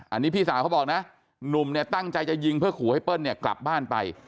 อันนี้พี่สาวเขาบอกนะหนุ่มเนี่ยตั้งใจจะยิงเพื่อขู่ให้เปิ้ลเนี่ยกลับบ้านไป